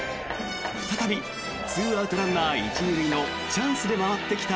再び、２アウトランナー１・２塁のチャンスで回ってきた